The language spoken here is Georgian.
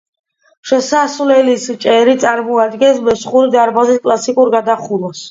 შესასვლელის ჭერი წარმოადგენს მესხური დარბაზის კლასიკურ გადახურვას.